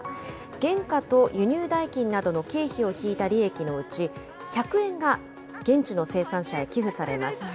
原価と輸入代金などの経費を引いた利益のうち、１００円が現地の生産者へ寄付されます。